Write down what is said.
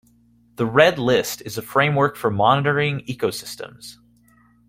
The Red List is a framework for monitoring ecosystems.